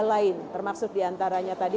lain termaksud diantaranya tadi